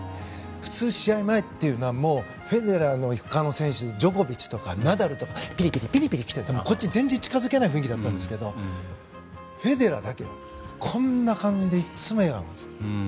普通、試合前というのはフェデラーも他の選手もジョコビッチとか、ナダルとかピリピリピリピリしててこっち全然近づけない雰囲気だったんですけどフェデラーだけは、こんな感じでいつも笑顔なんです。